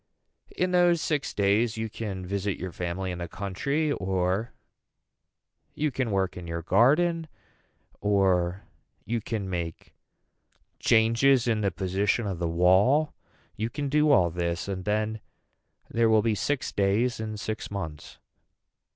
In those six days you can visit your family in the country or you can work in your garden or you can make changes in the position of the wall you can do all this and then there will be six days in six months.